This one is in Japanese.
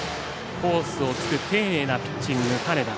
コースをつく丁寧なピッチング金田。